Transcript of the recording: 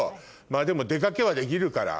まぁでも出掛けはできるから。